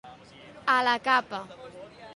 A la capa.